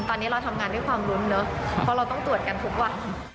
ตอนนี้เราทำงานด้วยความลุ้นเนอะเพราะเราต้องตรวจกันทุกวัน